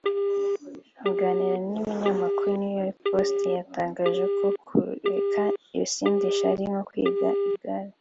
Aganira n’ikinyamakuru New York Post yatangaje ko kureka ibisindisha ari nko kwiga igare